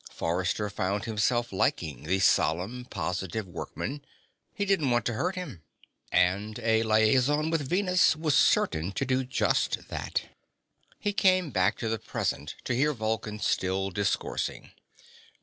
Forrester found himself liking the solemn, positive workman. He didn't want to hurt him. And a liaison with Venus was certain to do just that. He came back to the present to hear Vulcan still discoursing.